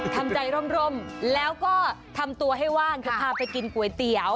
ทำใจร่มแล้วก็ทำตัวให้ว่างจะพาไปกินก๋วยเตี๋ยว